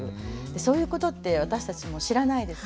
そういうことって私たちも知らないですよね。